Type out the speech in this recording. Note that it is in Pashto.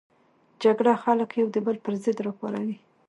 جګړه خلک یو د بل پر ضد راپاروي